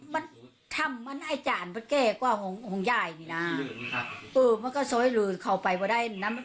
มันทำมันไอ้จ่านประเกษกว่าของย่ายนี่นะอืมมันก็ซ้อยหลืนเข้าไปพอได้น้ำ